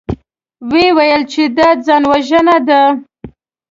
ويې ويل چې دا ځانوژنه ده.